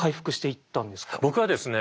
僕はですね